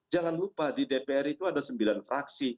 jangan lupa di dpr itu ada sembilan fraksi